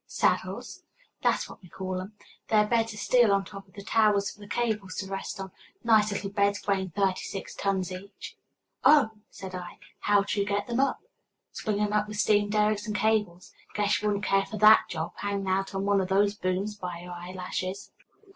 "Saddles?" "That's what we call 'em. They're beds of steel on top of the towers for the cables to rest on nice little beds weighing thirty six tons each." "Oh!" said I. "How do you get them up?" "Swing 'em up with steam derricks and cables. Guess you wouldn't care for that job, hanging out on one o' those booms by your eyelashes."